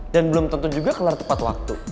dan belum tentu juga kelar tepat waktu